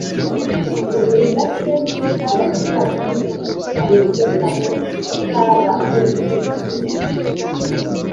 Buri gace kabaga kazwiho ibintu bikabonekamo haba ari ubuhinzi,